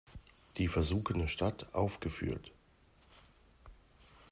Die versunkene Stadt" aufgeführt.